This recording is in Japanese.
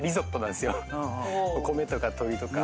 お米とか鶏とか。